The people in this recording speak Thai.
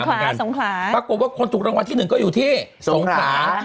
ปรากฏว่าคนถูกรางวัลที่หนึ่งก็อยู่ที่สงขา